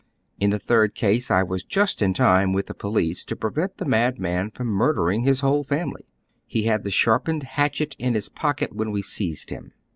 In the third ease I was just in time with the po lice to prevent the madman from murdering his whole family. He had the sharpened hatchet in his pocket when we seized him.